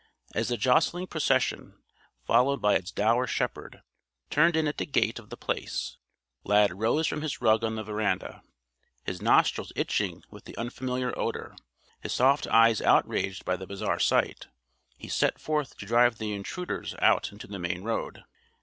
As the jostling procession, followed by its dour shepherd, turned in at the gate of The Place, Lad rose from his rug on the veranda. His nostrils itching with the unfamiliar odor, his soft eyes outraged by the bizarre sight, he set forth to drive the intruders out into the main road.